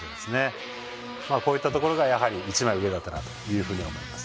こういったところが一枚上だったなと思います。